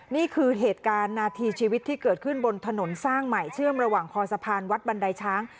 นี่คือเหตุการณ์นาทีชีวิตที่เกิดขึ้นบนถนนสร้างใหม่เชื่อมระหว่างคอสะพานวัดบันไดช้าง